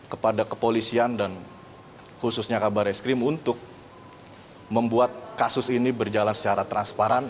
kepada kepolisian dan khususnya kabar eskrim untuk membuat kasus ini berjalan secara transparan